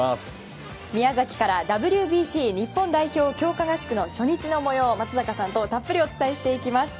宮崎からＷＢＣ日本代表強化合宿の初日の模様を松坂さんとたっぷりお伝えしていきます。